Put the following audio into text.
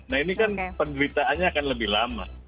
nah ini kan penderitaannya akan lebih lama